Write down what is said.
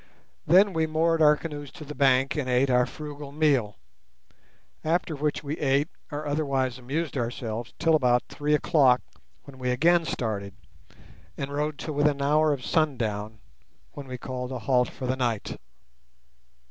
Then we moored our canoes to the bank, and ate our frugal meal; after which we ate or otherwise amused ourselves till about three o'clock, when we again started, and rowed till within an hour of sundown, when we called a halt for the night.